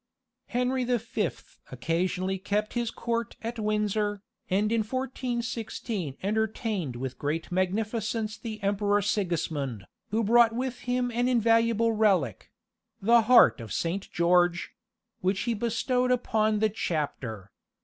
Henry the Fifth occasionally kept his court at Windsor, and in 1416 entertained with great magnificence the Emperor Sigismund, who brought with him an invaluable relic the heart of Saint George which he bestowed upon the chapter.